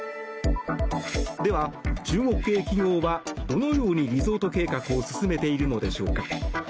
では、中国系企業はどのようにリゾート計画を進めているのでしょうか。